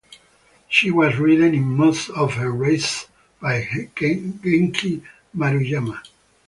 She was ridden in most of her races by Genki Maruyama.